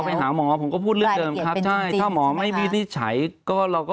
ไปหาหมอผมก็พูดเรื่องเดิมครับใช่ถ้าหมอไม่วินิจฉัยก็เราก็